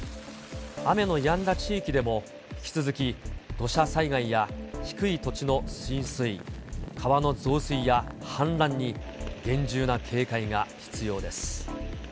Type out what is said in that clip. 雨のやんだ地域でも、引き続き土砂災害や低い土地の浸水、川の増水や氾濫に厳重な警戒が必要です。